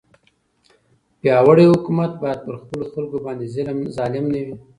پیاوړی حکومت باید پر خپلو خلکو باندې ظالم نه وي.